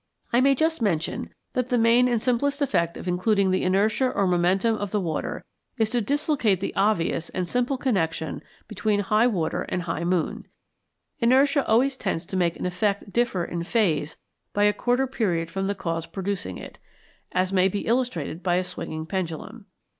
I may just mention that the main and simplest effect of including the inertia or momentum of the water is to dislocate the obvious and simple connexion between high water and high moon; inertia always tends to make an effect differ in phase by a quarter period from the cause producing it, as may be illustrated by a swinging pendulum.